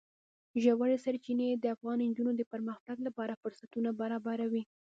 ژورې سرچینې د افغان نجونو د پرمختګ لپاره فرصتونه برابروي.